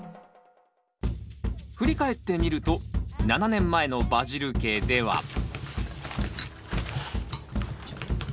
振り返ってみると７年前のバジル家では。